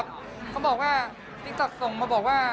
ติ๊กต๊อกบอกว่าติ๊กต๊อกส่งเขาบอกว่า